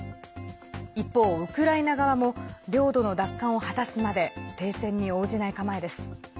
一方、ウクライナ側も領土の奪還を果たすまで停戦に応じない構えです。